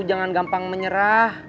jangan gampang menyerah